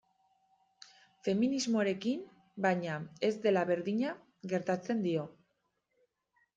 Feminismoarekin, baina, ez dela berdina gertatzen dio.